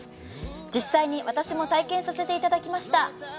実際に私も体験させていただきました。